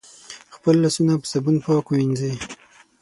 خپل لاسونه په صابون پاک ومېنځی